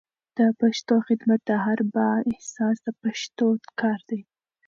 د پښتو خدمت د هر با احساسه پښتون کار دی.